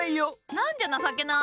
何じゃ情けない。